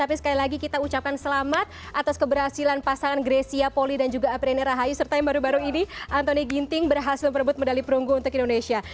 tapi sekali lagi kita ucapkan selamat atas keberhasilan pasangan grecia poli dan juga apriani rahayu serta yang baru baru ini antoni ginting berhasil merebut medali perunggu untuk indonesia